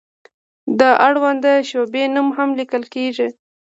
د اړونده شعبې نوم هم لیکل کیږي.